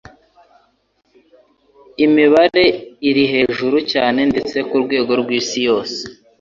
Imibare iri hejuru cyane ndetse ku rwego rw'Isi yose